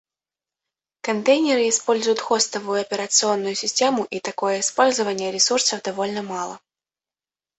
Контейнеры используют хостовую операционную систему и такое использование ресурсов довольно мало